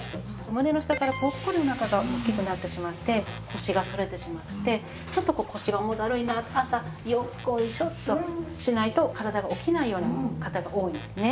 胸の下からポッコリお腹が大きくなってしまって腰が反れてしまってちょっと腰が重だるいな朝よっこいしょとしないと体が起きないような方が多いんですね。